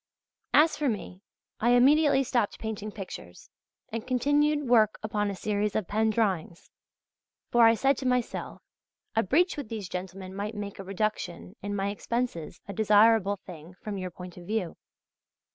As for me, I immediately stopped painting pictures, and continued work upon a series of pen drawings; for, I said to myself, a breach with these gentlemen might make a reduction in my expenses a desirable thing from your point of view.